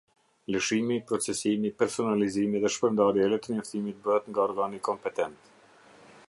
Lëshimi, procesimi, personalizimi dhe shpërndarja e letërnjoftimit bëhet nga organi kompetent.